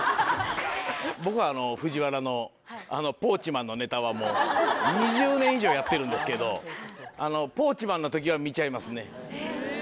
僕はＦＵＪＩＷＡＲＡのあのポーチマンのネタはもう、２０年以上やってるんですけど、ポーチマンのときは見ちゃいますね。